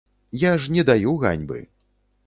Я ж не даю ганьбы.